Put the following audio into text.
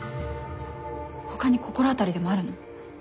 他に心当たりでもあるの？